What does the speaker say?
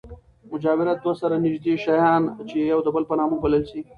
مجاورت دوه سره نژدې شیان، چي يو د بل په نامه وبلل سي.